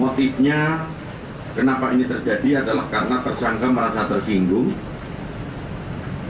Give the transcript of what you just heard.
motifnya kenapa ini terjadi adalah karena tersangka merasa tersinggung